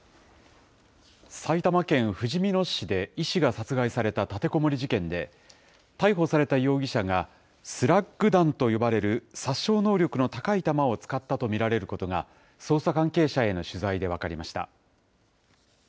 埼玉県ふじみ野市で医師が殺害された立てこもり事件で、逮捕された容疑者が、スラッグ弾と呼ばれる殺傷能力の高い弾を使ったと見られることが、捜査関係者への取材で分かりました。